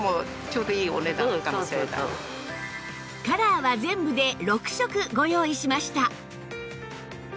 カラーは全部で６色ご用意しました